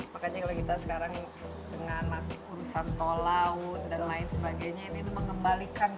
makanya kalau kita sekarang dengan urusan tol laut dan lain sebagainya ini mengembalikan